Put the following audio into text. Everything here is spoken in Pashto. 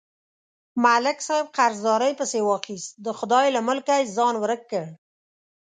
ملک صاحب قرضدارۍ پسې واخیست، د خدای له ملکه یې ځان ورک کړ.